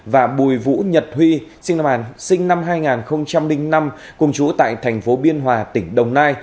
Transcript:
và bùi vũ nhật huy sinh năm hai nghìn năm cùng chú tại thành phố biên hòa tỉnh đồng nai